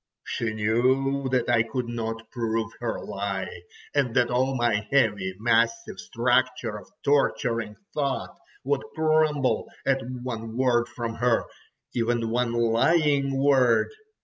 She knew that I could not prove her lie, and that all my heavy massive structure of torturing thought would crumble at one word from her, even one lying word.